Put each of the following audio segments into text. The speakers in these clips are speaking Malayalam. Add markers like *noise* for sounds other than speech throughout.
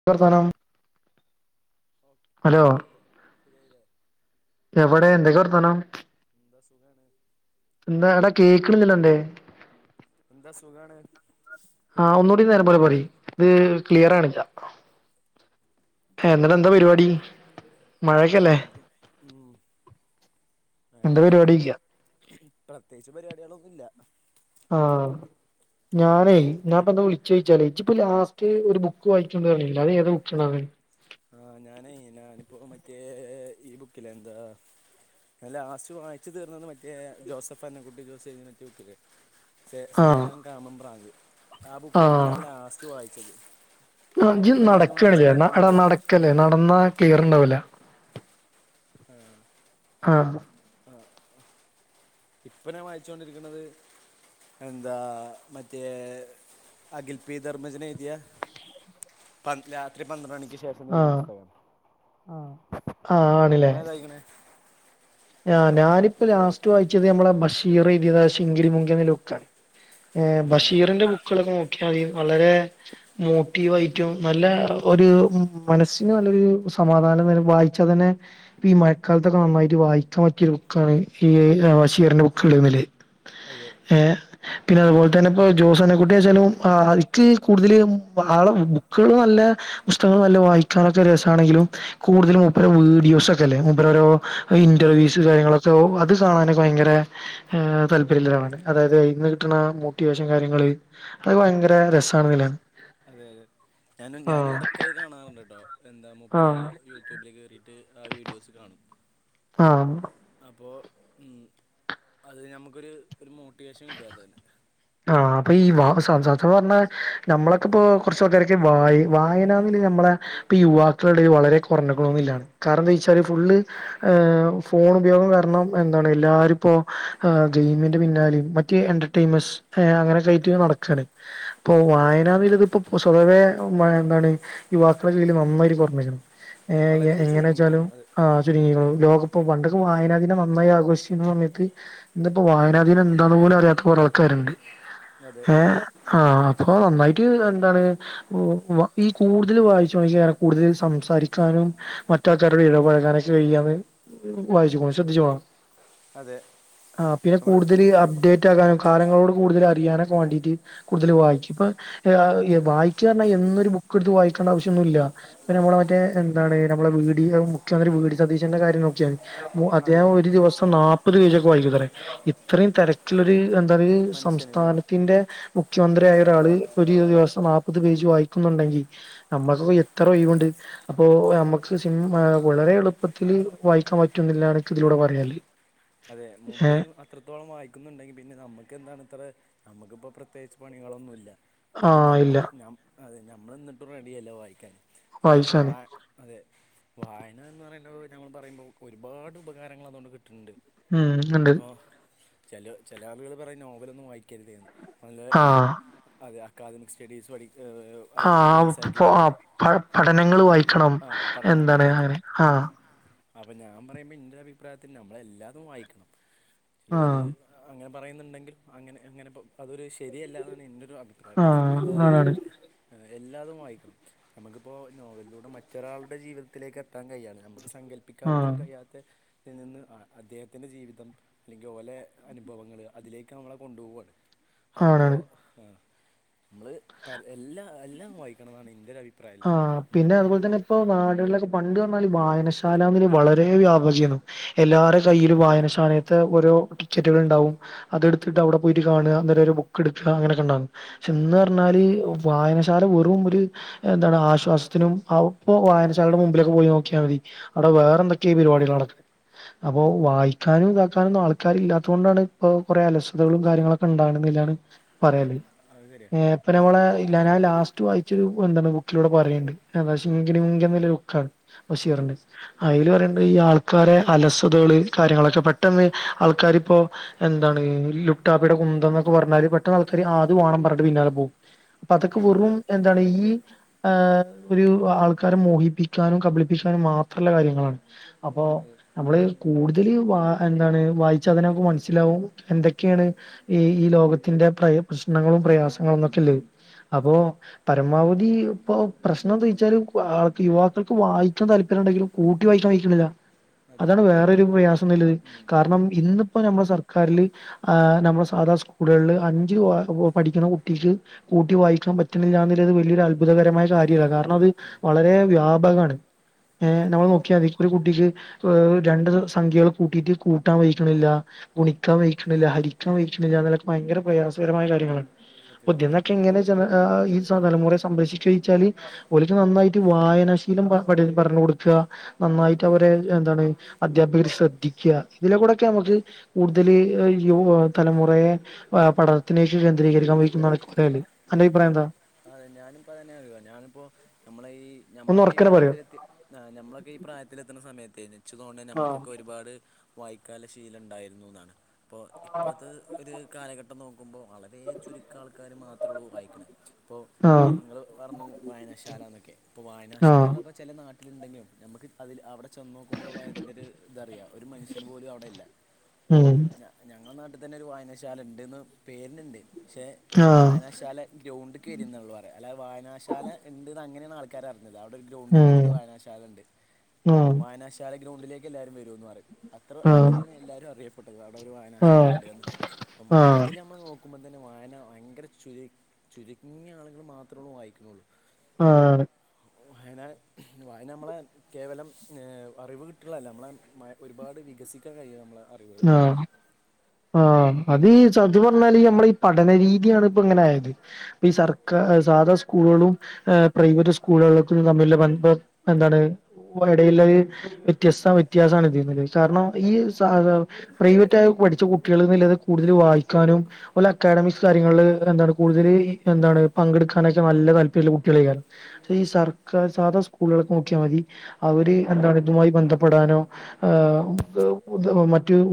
എന്ത് വാർത്താനം ഓ ഇപ്പ ശരിയായില്ലേ ശരിയായില്ലേ എവിടെ എന്തൊക്കെയ വർത്താനം എന്താ സുഖാണ് എന്താ എവിടാ കേക്കണില്ലല്ലോ എന്താ സുഖാണ് *unintelligible* ആ ഒന്നുകൂടി നേരം പോലെ പറയ് ഇത് ക്ലിയർ ആണില്ല എന്നിട്ട് എന്താ പരിപാടി മഴക്കല്ലേ എന്ത് ഉം അങ്ങനെ പ്രത്യ പ്രത്യേകിച്ച് പരിയാടികളൊന്നും ഇല്ല ആഹ് ഞാനേ ഞാൻപ്പ എന്താ വിളിചേ ച്ചാലു നിച് ഇപ്പ ലാസ്റ്റ് ഒരു ബുക്ക് വായിക്കണ്ട അത് ഏത *unintelligible* ആഹ് ഞാനു ഞാനിപ്പോൊ മറ്റേ ഈ ബുക്കില എന്താ ഞാൻ ലാസ്റ്റ് വായിച്ചു തീർന്നത് മറ്റേ ജോസഫ് അന്നം കുട്ടി ജോസ് *unintelligible* ആ സ്നേഹം കാമം ഭ്രാന്ത് ആ ബുക്കാണ്പ്പ ഞാൻ ലാസ്റ്റ് വായിച്ചത് ഇജ്ജ് ഇപ്പൊ ഞാൻ നടക്കണില്ലേ വായിച്ചുകൊണ്ടിരിക്കുന്നത് നടക്കല്ലേ നടന്നാ ക്ലിയർണ്ടാവല ആഹ് ആഹ് ഇപ്പ ഞാൻ വായിച്ചോണ്ടിരിക്കണത് എന്താ മറ്റേ അഖിൽ പി ധർമ്മജൻ എഴുതിയ പ രാത്രി പന്ത്രണ്ട് മണിക്ക് ശേഷം നല്ലൊരു പുസ്തകം ആ ആഹ് ആണില്ലേ ആ ഞാനിപ്പോ ലാസ്റ്റ് വായിച്ചത് നമ്മളെ ബഷീർ എഴുതിയത് ശിങ്കിരി മുങ്കി എന്ന ബുക്കാണ് ആഹ് ബഷീറിന്റെ ബുക്കുകളൊക്കെ നോ *unintelligible* വളരെ മോട്ടീവായിട്ടും നല്ല ഒരു മനസ്സിന് നല്ലരു സമാധാനം തരും വായിച്ചാ തന്നെ ഈ മഴക്കാലത്തൊക്കെ നന്നായിട്ട് വായി ക്കാൻ പറ്റിയൊരു ബുക്കാണ് ഈ ബഷീറിന്റെ ബുക്കേള് എന്ന നിലയിൽ അതെ ഏ പിന്നെ ഉം അതുപോലെ തന്നെ ഇപ്പോൊ ജോസനെ കുട്ട ച അക്ക് കൂടുതൽ ബുക്ക നല്ല പുസ്തക നല്ല വായിക്കാനൊക്കെ ആണെങ്കിലും കൂടുതുംരോ വീഡിയോസ് ഒക്കെല്ലേരോ ആഹ് അതെ അതെ ഇന്റർവ്യസ് മൂപ്പര് കാര്യങ്ങളൊക്കെ അത് കാണാന ഭയര താല്പര്യാണ് അതായത് ഇന്ന് കിട്ടുന്ന മോട്ടിവേഷൻ കാര്യങ്ങ അ രസം അതെ അതെ ഞാനും ഞാന് ആഹ്. ഇടക്ക് അത് കാണാറുണ്ട് കേട്ടോ എന്താ മൂപ്പരെ ആഹ്. യൂട്യൂബിൽ കയറിയിട്ട് ആ വീഡിയോസ് കാണും ആഹ അപ്പോൊ ഉ അത് നഞമുക്കൊരു മോട്ടിവേഷൻ കിട്ടവാത്ത തന്നെ ആ അപ്പൊ ഈ വ പറഞ്ഞാ നമ്മള ഇപ്പോൊ കുറച്ചക്കാരൊക്കെ വ വായനന്നില്ല നമ്മളെ ഇപ്പ യുവാക്കളുടെ വളരെ കുറഞ്ഞളൊന്നും ഇാണ് കാരണം എന്താ ചച്ചാല് ഫുള്് ഫോൺ ഉപയോഗം കാരണം എന്താണ് എല്ലാരും ഇപ്പോ മിന്റെ പിന്നാലും മറ്റ എന്റർൈമസ് അങ്ങനെ കയറ്റി നടക്കയാണ് ഇപ്പൊ അതെ വായനാതിൽ ഇതിപ്പോൊ സ്വതവേ എന്താണ് യുവാക്കളുടെ ജീൽ നന്നായിട്ട് ർമ്മിക്കണം വളരെ എങ്ങനെ വെച്ചാലും ചുരുങ്ങിക്കുണു അത് ആ ചുരു ലോക ഇപ്പൊ പണ്ടൊക്കെ വായനാധീം നന്നായി ആഘോഷിക്കുന്ന സമയത്ത് ഇിപ്പോ വായനാധീനം എന്താണ പോലും അറിയാത്ത പോല ആൾക്കാരുണ്ട് അതെ ഏ ആഹ അപ്പൊ നന്നായിട്ട് എന്താണ് ഈ കൂടുതൽ വായിച്ചു നോിക്ക കൂടുതൽ സംസാരിക്കാനും മറ്റാൾക്കാരുടെ ഇടപഴകാനൊക്കെ കഴ്യാന്ന് വായിച്ചു ശ്രദ്ധിച്ചുോണം അതെ ആ പിന്നെ നമ്മള് കൂടുതൽ അപ്ഡേറ്റ് ആകാനും കാലങ്ങളോട് കൂടുതൽ അറിയാന ക്വാണ്ടിറ്റി കൂടുതൽ വായിക്കും ഇപ്പ വായിക്കുകഞ്ഞാൽ എന്നൊരു ബുക്ക് എടുത്ത് വായി േണ്ട ആവശ്യംൊന്നുമില്ല ഇ നമ്മള മറ്റേ എന്താണ് നമ്മെ ഡി മു്യന്ത്രി വി ഡി സതീശന്റെ കാര്യം നോക്കിയാാണ് അതെ അദ്ദേഹം ഒരു ദിവസം നാല്പത് പേജൊക്കെ വൈകി തറ ഇത്രയും തിരക്കിലൊരു എന്താ മനുഷ്യനില്ലേ സംസ്ഥാനത്തിന്റെ മുഖ്യമന്ത്രിയായ ഒരാള് ഒരു ദിവസം നാല്പ്പത് പേജ് വായിക്കുന്നുണ്ടെങ്കിൽ നമ്മുക്ക് എത്ര വ്യവുണ്ട് അപ്പൊ നമ്മുക്ക്ി വളരെ എളുപ്പത്തില്ൽ വായിക്കാൻ പറ്റുന്നില്ലാണ് ഇതിലൂടെ പറയാല് അതെ ഏ മൂപ്പരി അത്രത്തോളം വായിക്കുന്നുണ്ടെങ്കി പിന്നെ നമ്മുക്ക് എന്താണ് ഇത്ര നമ്മുക്കിപ്പോൾ പ്രത്യേകിച്ച് പണികളൊന്നുമില്ല ആ എന്നിട്ട് ഇല്ല നമ്മക്ക് അതെ നഞമ്മൾ എന്നിട്ടും റെഡിിയല്ല വായിക്കാൻ കാരണം വ വായിച്ചാന് അതെ വായന എന്ന് പറയ ഞങ്ങൾ പറയുമ്പോൾ ഒരുപാട് ഉപാരൾ അതുകൊണ്ട് കിട്ടിട്ടുന്നുണ്ട് ഉം ഉണ്ട് ചില ചില ആളുകൾ പറയും നോവലൊന്നും വായിക്കരുതരുന്നു നല്ല ആഹ് അതെ അക്കാദി സ്ഡീസ്ഴി ആ പ പഠനങ്ങൾ വായിക്കണം ആ പഠനങ്ങൾ എന്താണ് അങ്ങനെ വായിക്കണം ആഹ അപ്പം ഞാൻ പറയുമ്പോൾ എൻ്റെ അഭിപ്രായത്തിൽ നമ്മളെല്ലാതും വായിക്കണം ജോല് ആഹ് അങ്ങനെ പറയുന്നുണ്ടെങ്കിലും അങ്ങനെ അങ്ങനെപ്പം അതൊരു ശരിയല്ലാ എന്നാണ് എൻറെ ഒരു അഭിപ്രായം ആഹ് കീ ആണാണ് എല്ലാതും വായിക്കണം നമുക്കിപ്പോൾ നോവലിലൂടെ മറ്റൊരാളുടെ ജീവിതത്തിലേക്ക് എത്താൻ കഴിയാണ് നമ്മുക്ക് സങ്കല്പ്പിക്കാൻ ആഹ് പോലും കഴിയാത്തതി നിന്ന് അദ്ദേഹത്തി്ന്റെ ജീവിതം അല്ലെങ്കിൽ ഓലെ അനുഭവങ്ങള്ൾ അതിലേക്ക് നമ്മളെ കൊണ്ടുപോവയാണ് അതിപ്പോൊ ആണാണ് ആ നമ്മള് എല്ലാം എല്ലാം വായിക്കണം എന്നാണ് എന്റെം ആ് പിന്നെ അതുപോലെ തന്നെ ഇപ്പൊ നാടുകളിലൊക്കെ പണ്ട് വായനശാല വളരെ വ്യാപജ എല്ലരു കയ്ൽ വായനശാലയത്തെ ഓോ ടിക്കറ്റുകൾ ഉണ്ടാവും അതെടുത്തിട്ട് അവിടെ പോയിട്ട് കാണുക അന്നേരം ഒരു ബുക്ക് എടുക്കുക അങ്ങനൊക്കെ ഉണ്ടാകും പക്ഷ എന്ന് പറഞ്ഞാല് വായനശാല വെറും ഒരു എന്താണ് ആശ്വാസത്തിനും അപ്പോൊ വായനാകരുടെ മുമ്പിലൊക്കെ പോയി നോക്കിയാൽ മതി അവിടെ വേറെന്തൊക്കെഈ പരിപാടികളാണ് *unintelligible* അപ്പൊ വായിക്കാനും ഇതാക്കാനുംൊന്നും ആൾക്കാർ ഇല്ലാത്ത കൊൊണ്ടാണ് ഇപ്പൊ കൊറെേ അലസ്തകളും കാര്യങ്ങളൊക്കെ ഉണ്ടാകുന്ന പറയ അത് ശരിയാണ് ഇപ്പൊ ഇപ്പം നമ്മളെ ഞങ്ങൾ ഞാൻ ലാസ്റ്റ് വായിച്ചരു എന്താണ് ൂടെ പറയണ്ട്ുക്കണ് ബീറി അതില് പറയഈ ആൾക്കാ വ അലസ തകൾ കാര്യങ്ങളൊക്കെ പെട്ടെന്ന് ആൾക്കാരിപ്പോ എന്താണ് ലുട്ടാപ്പിയുടെ എന്തൊക്കെ പറഞ്ഞാല് പെട്ട ആൾക്കാാര് ആദ്യം വാണം പറഞ്ഞട്ട് പിന്നാലെ പോകവും അപ്പൊ അതൊക്കെ ഉം. വെറും എന്താണ് ഈ ആഏഹ ഒരു ആൾക്കാരെ മോഹിപ്പിക്കാനും കബളിപ്പിക്കാനും മാത്രമുള്ള കാര്യങ്ങളാണ് അപ്പോൊ അതെ നമ്മള് കൂടുതൽ വ എന്താണ് വായിച്ച അതിന നമുക്ക് മനസ്സിലാവും എന്തൊക്കെയാണ് ഈ ഈ ലോകത്തിന്റെ പ്രശ്നങ്ങളും പ്രയാസങ്ങളുംന്നൊക്കെല്ലേ അപ്പോ പരമാവധി ഇപ്പൊ പ്രശ്നം എന്ന് ചോദിച്ചാല് യുവാക്കൾക്ക് വായിക്കാ താല്പര്യം ഉണ്ടെങ്കിലും കൂട്ടി വായിക്കണം വായിക്കുന്നില്ല അതെ അതാണ് വേറരു പ്രയാസം നല്ലത് കാരണം ഇന്ന് ഇപ്പ നമ്മുടെ സർക്കാരിൽ നമ്മുടെ സാധാണ സ്കൂളുകളില് അഞ്ച് ആറു പഠിക്കുന്ന കുട്ടിക്ക് കൂട്ടിവാ യിക്കൻ പറ്റുന്നില്ല വലിയ അതെ കാര്യല്ല അതെ കാരണം അത് വളരെ വ്യാപകമാണ് ഏ നമ്മൾ ഇപ്പോൾ നോക്കിയൽ അ ഒരു കുട്ടിക്ക് ഹ് രണ്ട് സംഖ്യകൾ കൂട്ടിയിട്ട് കൂട്ടാൻ കഴിയുന്നില്ല ഗുണിക്കാൻ കഴിയുന്നില്ല ഹരിക്കാൻ കഴിയുന്നില്ല തലക്ക് ഭയര പ്രയാസകരമായ കാര്യങ്ങളാണ് സത്യം സത്യം ഇതിനൊക്കെ ഇങ്ങനെ ജനഹ ഈ സാല മുരെ സംഭ്രിച്ചിക്ക ചെയ്യിച്ചാൽ ഓൽക്ക് നന്നായിട്ട് വായനാശീലം പറഞ്ഞ കൊടുക്കുക നന്നായിട്ട് അവരെ അധിയാപകർ ശ്രദ്ധിക്ക ഇതില കൂടെക്കെ നമുക്ക് കൂടുതൽ തലമുറ പഠത്തിന കേന്ദ്രീകരിക്കാൻന്റെ ആ അഭിപ്രായം എന്താ അതെ ഞാനിപ്പോ തന്നെ അറിയ ഞാനിപ്പോ നമ്മളെ ഈ ഒന്ന് ഞമ്മളൊക്കെ ഈ ഉറക്കനെ പറയോ പ്രായത്തിലെത്തി ആ് നമ്മളൊക്കെ ഈ പ്രായത്തിലെത്തുന്ന സമയത്തന് വച്ചതുകൊണ്ട് ആഹ് നമുക്കൊക്കെ ഒരുപാട് വായന ശീലം ഉണ്ടായിരുന്നു എന്നാണ് ഇപ്പോൊ ഇപ്പോത്തെ ഒരു കാലഘട്ടം നോക്ക നോക്കുമ്പോ വളരെ ചുരുക്ക ആൾക്കാർ മാത്രേ ഉള്ളൂ വായനക്കാർ ഇപ്പോൾ നിങ്ങൾ പറഞ്ഞു വായനാശാല എന്നൊക്കെ ഇപ്പോൾ ആഹ് വായനാശാലകളൊക്കെ ചില നാട്ടിൽ ഒള്ളൂ ഉണ്ടെങ്കിലും നമുക്ക് അതിൽ അവിടെ ചെന്ന് നോക്കുമ്പോഴുള്ള ഇതിൻ്റെ ഒരു ഇതറിയാം ഒരു മനുഷ്യന് പോലും അവിടെ ഇല്ല ഉം അപ്പോൾഞ ഞങ്ങളുടെ നാട്ടിൽ തന്നെ ഒരു വായനാശാല ഉണ്ടന്ന് പേരിനുണ്ട് പക്ഷേ ആഹ് വായനാശാല ഗ്രൗണ്ട് ഗ്രൗണ്ട് ഉണ്ട് എന്നള്ളൂ പറയാ അല്ലത വായനാശാല ഉണ്ട് അങ്ങനെയ ആൾക്കാർ അറിയില്ല ത് അവിടെ ഒരു ഗ്രൗണ്ടിൻ്റെ അടുത്ത് ഉം വായനാശാല ഉണ്ട് ആഹ് വായനാശാല ഗ്രൗണ്ടിലേക്ക് എല്ലാവരും വരുമന്ന് പറയും അത്ര അങ്ങനെയാണ് എല്ലാരും ആഹ് അങ്ങനെയാണ് എല്ലാവരും അറിയപ്പെട്ടത് അവിടെ ഒരു വായനാശാല ആഹ് ഉണ്ട്ന്ന് അപ്പൊ ആഹ് മൊത്തത്തിൽ നമ്മൾ നോക്ക ഇപ്പോ തന്നെ വായന ഭയങ്കര ചുരുങ്ങിയ ആളുകൾ മാത്രമേ ഉള്ളൂ വായിക്കുന്നുള്ളൂ ആഹ വായന വായന നമ്മളെ കേവലം അറിവ് കിട്ടുള്ളല്ല നമ്മളെ ഒരുപാട് വികസിക്കാൻഴയിയ നമ്മള് ആഹ ആഹ അത് ഈ സത്യം പറഞ്ഞാല് നമ്മളെ ഈ പഠനരീതിയാണ് ഇപ്പോ ഇങ്ങനെയയത് ഈ സർക്കാ സാധാ സ്ൂ പ്രൈവറ്റ് സ്കൂളുകും തമ്മിൽ ഉള്ള ബന്ധം എന്താണ് ഇടയിൽ ഒരു വ്യത്യസ വ്യത്യാസമാണ് ഇട്ടിരുന്നത് കാരണം ഈ പ്രൈവറ്റ് ആയി പഠിച്ച കുട്ടികൾന്നല്ലാതെ കൂടുതൽ വായിക്കാനും ഓലെ അക്കാഡമിക്സ് കാര്യങ്ങളിൽ എന്താണ് ക കൂടുതൽ എന്താണ് പങ്കെടുക്കാനൊക്കെ നല്ല താല്പര്യമില്ല കുട്ടികൾ ചെയ്യാൻ പക്ഷെ ഈ സർക്കാ സാധാ സ്കൂളുകൾ നോക്കിയ മതി അവര് എന്താണ് ഇതുമായി ബന്ധപ്പെടാനോ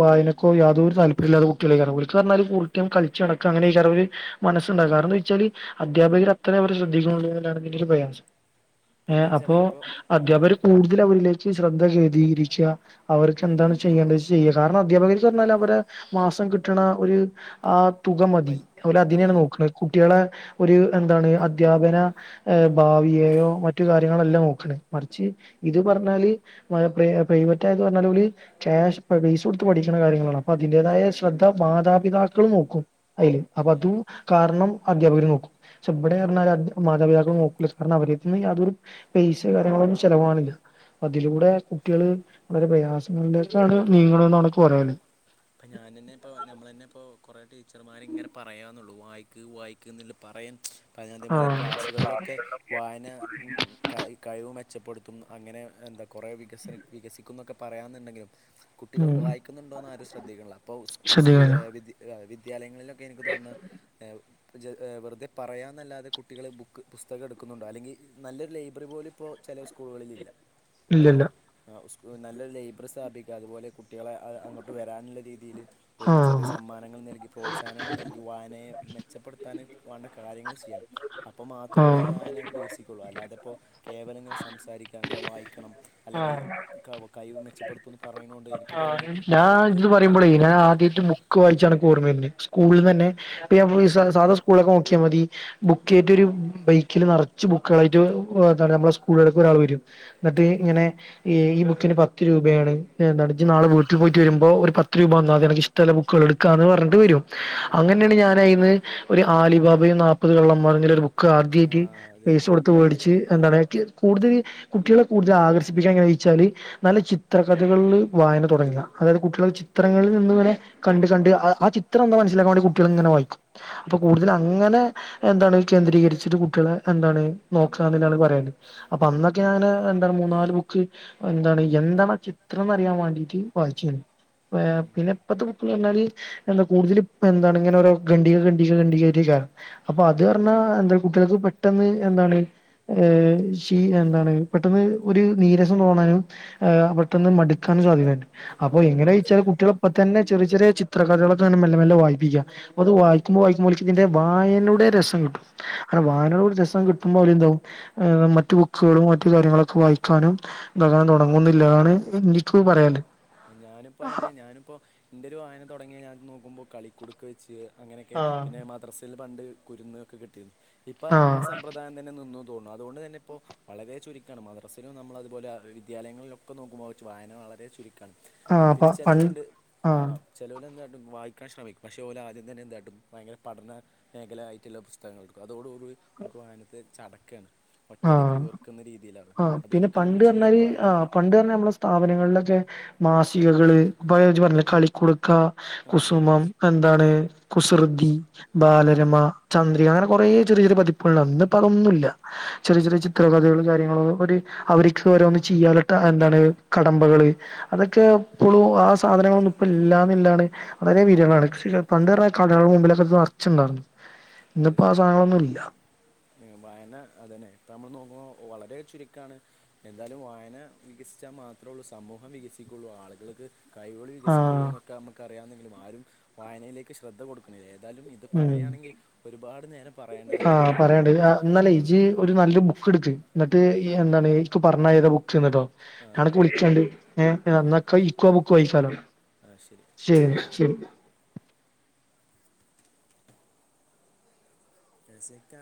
വായനക്കൊ യാതൊരു താൽപ്പര്യം ഇല്ലാത്ത കുട്ടികളയായിരിക്കും ഓൽ ക്കു കളിച്ചു നടക്കുകഅങ്ങനെ മസ് ഉണ്ട കാരണം എന്താ വെച്ചാല് അധ്യാപകർ അത്ര അവരെ ശ്രദ്ധിക്കുന്നു എന്നാണ് എനിക്കുള്ള പ്രയാസം ഇപ്പം ഏ എന്താ വെച്ചാലേ അപ്പോൊ ഇപ്പോൾ അധ്യാപകർ കൂടുതൽ അവരിലേക്കു ശ്രദ്ധ കേദീകരിരിക്കുക അവർക്ക് എന്താണ് ചെയ്യേണ്ടത് ചെയ്യുക കാരണം അധ്യാപകർ പറഞ്ഞാൽ അവരെ മാസം കിട്ടണ ഒരു ആ തുക മതി പൽ ഓല് അതെ അതിനെയാണ് അതെ നോക്കുന്നത് കുട്ടികളെ ഒരു എന്താണ് അദ്ധ്യാപന ഭാവിയെയോ മറ്റു കാര്യങ്ങളെല്ലാം നോക്കണ് മറിച്ച് ഇത് പറഞ്ഞാല് പ്രൈ പ്രൈവറ്റായത് പറഞ്ഞാല് ഓല് കേഷ് പെയ്സ കൊട്ത്ത് പഠിക്ക്ണ കാര്യങ്ങളാണ് അപ്പൊ അതിന്റേതായ ശ്രദ്ധ മാതാപിതാക്കള് നോക്കും അയ്ല് ഉം. അപ്പതു കാരണം അധ്യാപകര് നോക്കും പക്ഷെ ബ്ടെർഞ്ഞാല് മാതാപിതാക്കള് നോക്കൂല കാരണം അവരെട്ത്ത്ന്ന് യാതൊരു പൈസ കാര്യങ്ങളൊന്നും ചെലവാണ്ല്ല അതിലൂടെ കുട്ട്യേള് വളരെ പ്രയാസങ്ങളിലേക്കാണ് നീങ്ങ്ണെന്നാണ്ക്ക്‌ പറ്യാലെ ഇപ്പൊ ഞാനെന്നെപ്പോ ഞമ്മളെന്നെപ്പോ കൊറേ ടീച്ചർമാര്‌ ഇങ്ങനെ പറയാന്ന്ള്ളൂ വായിക്ക് വായിക്ക് ന്ന്ല്ല പറയ *unintelligible* അതിനതേം പോലെ ആഹ് ക്ലാസ്സുകളിലൊക്കെ വായന ക കഴിവു മെച്ചപ്പെടുത്തും അങ്ങനെ എന്താ കൊറേ വികസന വികസിക്കുംന്നൊക്കെ പറയണംന്ന്ണ്ടെങ്കിലും കുട്ടികൾ ഉം വായിക്ക്ന്ന്ണ്ടോന്ന് ആരും ശ്രദ്ധിക്ക്ണ്ല അപ്പൊ സ്കൂ സ്കൂ വെ ശ്രദ്ധിക്കല വി വിദ്യാലയങ്ങളില ക്കെ എനിക്ക് തോണെ ഏ ജ ഏ വെർതേ പറയാന്നല്ലാതെ കുട്ടികള് ബുക്ക് പുസ്തകം എട്ക്കുന്നുണ്ടോ അല്ലെങ്കി നല്ലൊരു ലൈബ്രറി പോലുപ്പോ ചെലെ സ്കൂളുകളിലില്ല അപ്പോ ഇല്ലല്ല സ് നല്ലൊരു ലൈബ്രറി സ്ഥാപിക്ക അത്പോലെ കുട്ടികളെ അ അങ്ങോട്ട് വരാ ൻള്ള രീതിയില് നൽക്ക് ചെറ്യേ ആഹ് സമ്മാനങ്ങൾ നൽകി പ്രോത്സാഹനങ്ങൾ നൽകി വായനയെ മെച്ചപ്പെടുത്താന് വാണ്ട കാര്യങ്ങള് ചെയ്യണം അപ്പം മാത്രാെള്ളൂ ഈ ആഹ് വായന വികസിക്കുള്ളൂ അല്ലാതെ പ്പോ കേവലങ്ങനെ സംസാരിക്കാ ങ്ങള് വായിക്കണം അല്ലെങ്കിൽ ആഹ് ക കയ്‌വ് മെച്ചപ്പെട്ത്തൂന്ന് പറയ്ണോണ്ടേയ്ര് ക്ക് തോൺണു അത്കൊണ്ട് പറയ്പളേ ഞാനാദ്യായിട്ട് ബുക്ക് വായിച്ചാ അണക്ക് ഓർമ്മ വര്ന്നെ സ്കൂൾന്നന്നെ പ്പ ഞമ്മളീ സ സാദാ സ്കൂൾലൊക്കെ നോക്കിയാ മതി ബുക്കായ്റ്റൊരു ബൈക്കല് നെ ർച്ച് ബുക്കളായിട്ട് ഒ ന്താറയ നമ്മളെ സ്കൂൾകൾലേക്കൊരാള് വരും ന്നട്ട് ഇങ്ങനെ ഈ ബുക്കിന് പ ത്ത്‌രൂപയാണ് ന്നെന്താണ് ഇജ് നാളെ *unintelligible* ട്ട് പോയിട്ട് വരുമ്പോ ഒര് പത്ത് രൂപ തന്നാ മതി അനക്ക് ഇഷ്ടമുള്ള ബുക്ക് കൾ എടുക്കാന്ന് പറഞ്ഞിട്ട് വെരും ആ അതെ അങ്ങൻന്നെയാണ് ഞാനയ്ന്ന് ഒരു ആലിബാബയും നാപ്പത് കള്ളന്മാരും അങ്ങനെ ഒര് ബുക്ക് ആ ആദ്യാട്ട് അതെ പെയ്സ അതെ കൊടുത്ത് വേടിച്ച് എന്താണ് കി കൂടുതല് കുട്ടികളെ കൂടുതൽ ആകർഷിപ്പിക്കാൻ എങ്ങനെച്ചാല് നല്ല ചിത്രകഥകളില് വായന തുടങ്ങ അതായത് കുട്ടികൾ ചിത്രങ്ങളിൽ നിന്ന് ഇങ്ങനെ കണ്ട് കണ്ട് ആ ആ ചിത്രം എന്താ മനസ്സിലാക്കാൻ വേണ്ടി കുട്ട്യേള്ങ്ങെനെ വായിക്കും ഇപ്പൊ കൂടുതല് അങ്ങനെ എന്താണ് കേന്ദ്രീകരിച്ചിട്ട് കുട്ടികളെ എന്താണ് നോക്കാ ന്ന്ല്ലാണ് പറയാല്ലേ അപ്പൊ അന്നൊക്കെ ഞാന് എന്ത മൂന്നാനാല് ബുക്ക് എന്താർ എന്താണാ ചിത്രം ന്നറിയാൻ വാണ്ടീട്ട് ഓ ശെരി പിന്നെ ഇപ്പത്തെ ബുക്കില് ർഞ്ഞാല് എന്താ കൂട്തല് എന്താണ് ഇങ്ങനെ ഓരോ ഗണ്ടിക ഗണ്ടിക ഗണ്ടികായ്റ്റ് അപ്പൊ അത് പർഞ്ഞാ എന്ത കുട്ട്യാൾക്ക് പെട്ടെന്ന് എന്താണ് ഏ ശീ എന്താണ് പെട്ടെന്ന് ഒര് നീരസം തോന്നാനും ആ പെട്ടെന്ന് മട്ക്കാനും സാധ്യതണ്ട് ആ അപ്പൊ അത് എങ്ങനെയ്ച്ചാൽ ശരിയാണ് കുട്ട്യാളെപ്പതന്നെ ചെറ്യ ചെറ്യേ ചിത്രകഥകളക്കെ അങ്ങനെ മെല്ലെ മെല്ലെ വായ്പ്പിക്ക അപ്പത് വായിക്ക്മ്പോ വായിക്ക്മ്പോ ഓൽക്കിതിന്റെ വായനയുടെ രസം കിട്ടും അ അതെ വാനോട് രസം കി ക്കുംമ്പോലെന്താവും ഏ മറ്റ് ബുക്ക്സ്കളും മറ്റു കാര്യങ്ങളൊക്കെ വായിക്കാനും താക്കാൻ തൊടങ്ങുന്ന്ല്ലാതാണ് എനിക്കു പറയാല്ലെ ഞാന്പ്പ അനെ ഞാന്പ്പാേ ൻ്റെ ഒര് വായന തൊടങ്ങിയ ഞാൻ നോക്കുമ്പോ കളിക്കുടുക്ക വെച്ച് അങ്ങനെയെക്കെ ആഹ് പിന്നെ മദ്രസയിൽ പണ്ട് കുരുന്ന് ഒക്കെ കിട്ടിരുന്നു ഇപ്പ ആ ആഹ് സമ്പ്രദായം തന്നെ നിന്നു തോൺണു അതുകൊണ്ട് തന്നെ ഇപ്പോ വളരെ ചുരുക്കാണ് മദ്രസയിലും നമ്മളത്പോലെ വിദ്യാലയങ്ങളിലൊക്കെ നോക്കുമ്പോ വെച്ച് വായന വളരെ ചുരു ആഹ് പിന്നെ പ പണ്ട് ചെലോല്ണ്ട് ആ ആഹ് ചെലാേല് എന്താ വായിക്കാൻ ശ്രമിക്കും പക്ഷേ ഓലാദ്യം തന്നെ എന്ത് കാട്ടും ഭയങ്കര പഠന മേഖല ആയിട്ട്ള്ള പുസ്തങ്ങള്ട്ക്കും അതോട് നമുക്ക് വായനത്തെ ചടക്കാണ് ഒറ്റടിക്ക് ആഹ് വെർക്ക്ന്ന രീ ആ പിന്നെ പണ്ട്ർഞ്ഞാല് ആ പണ്ട് ർഞ്ഞാ ഞമ്മളെ സ്ഥാപനങ്ങളിലൊക്കെ മാസികകള് ഇപ്പ ഇജ്ജ് പറഞ്ഞ്ലെ കളികുട് ക്ക ആ അതെ കുസുമം എന്താണ് അത് കുസൃതി ആ, അങ്ങ- ബാലരമ ചന്ദ്രിക അങ്ങനൊ കൊറേ ചെറ്യെ ചെറ്യെ പതിപ്പുകൾണ്ട് ഉം, അതിന്റെപ്പടൊന്നുല്ല ചെറ്യെ അതെ ചെറ്യെ ചിത്രകഥകള കാര്യ അവര്ക്ക് ഓരോന്ന് ചെയ്യാന്ട്ട അ എന്താണ് കടമ്പകള് അതൊക്കെ ഇപ്പളും ആ സാധനങ്ങളൊന്നും ഇപ്പ ഇല്ലാന്ന്ല്ലാണ് വളരെ അതെ വിരങ്ങളാണ് പണ്ട്ർഞ്ഞ കടകൾടെ മുമ്പിലൊക്കെ അത് നർച്ച്ണ്ടായിരുന്നു അത് ശരിയാ വായന അതന്നെ നമ്മൾ നോക്കുമ്പോൾ വളരെ ചുരുക്കാണ് എന്തായാലും വായന വികസിച്ചാൽ മാത്രേ ഉള്ളൂ സമൂഹം വികസിക്കു പുള്ളൂ ആളുകൾക്ക് കൈിവൾ ആ വികസിക്കുള്ളൂ എന്നൊക്കെ നമുക്ക് അറിയാവുന്നെങ്കിലുംവായനലേക് ശ്രദ്ധ കൊടുക്കുന്നില്ലരുന്നു എന്തായാലും ഇത് പറയാണങ്കിൽ ആഹ പറയണ്ട്ത് ഉം, എന്നാലേ ഇജ്ജ് ഒരു നല്ല ബുക്ക് എടുക്ക് എന്നിട്ട് എന്താണ് ഇ പറഞ്ഞ ഏത ട്ടോ ആ ഞാനൊക്കെ വിളിചാണ്ട് ഓക്കെ നന്നൊക്കെ ഇക്ക ബുക്ക് വായിക്കാലോ ശരി ശരി സക്ക